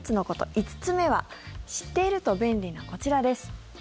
５つ目は知っていると便利なこちらです。